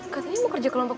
katanya mau kerja kelompok